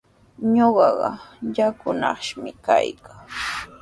Ñuqaqa yakunashqami kaykaa.